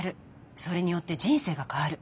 それによって人生が変わる。